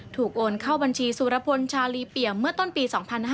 โอนเข้าบัญชีสุรพลชาลีเปี่ยมเมื่อต้นปี๒๕๕๙